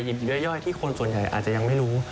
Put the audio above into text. ย่อยที่คนส่วนใหญ่อาจจะยังไม่รู้